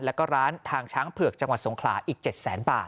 แล้วก็ร้านทางช้างเผือกจังหวัดสงขลาอีก๗แสนบาท